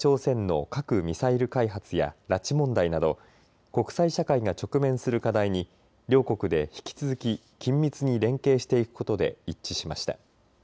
北朝鮮の核・ミサイル開発や拉致問題など国際社会が直面する課題に両国で引き続き緊密に連携していくことで一致しました。